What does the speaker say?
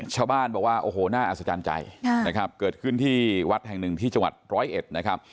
ชาวบ้านบอกว่าโอ้โหน่าอัศจรรย์ใจนะครับเกิดขึ้นที่วัดแห่งหนึ่งที่จังหวัดร้อยเอ็ดนะครับ